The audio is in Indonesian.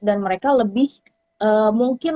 dan mereka lebih mungkin